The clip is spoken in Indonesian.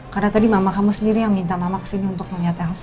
karena tadi mama kamu sendiri yang minta mama kesini untuk melihat elsa